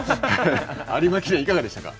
有馬記念、いかがでしたか。